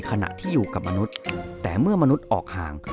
ขณะที่อยู่กับมนุษย์แต่เมื่อมนุษย์ออกห่าง